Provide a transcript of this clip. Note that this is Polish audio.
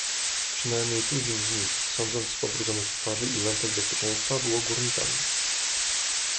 "Przynajmniej tuzin z nich, sądząc z pobrudzonych twarzy i lampek bezpieczeństwa, było górnikami."